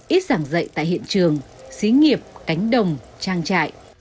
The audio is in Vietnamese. ít giảng dạy tại hiện trường xí nghiệp cánh đồng trang trại